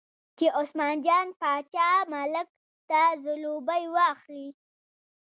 چې عثمان جان باچا ملک ته ځلوبۍ واخلي.